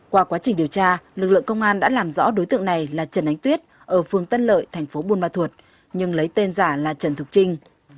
qua quá trình điều tra lực lượng công an đã làm rõ đối tượng này là trần ánh tuyết ở phường tân lợi thành phố buôn ma thuột nhưng lấy tên giả là trần thục trinh